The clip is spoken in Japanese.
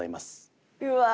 うわ！